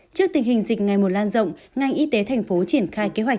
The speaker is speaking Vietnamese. trước tình hình dịch ngày một lan rộng ngành y tế thành phố triển khai kế hoạch